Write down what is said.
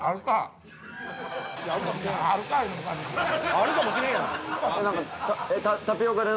あるかもしれんやん。